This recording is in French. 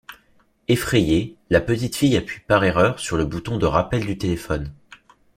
Effrayée, la petite fille appuie par erreur sur le bouton de rappel du téléphone.